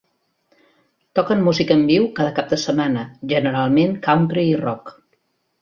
Toquen música en viu cada cap de setmana, generalment country i rock.